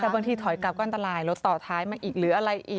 แต่บางทีถอยกลับก็อันตรายรถต่อท้ายมาอีกหรืออะไรอีก